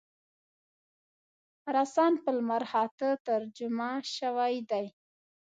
خراسان په لمرخاته ترجمه شوی دی.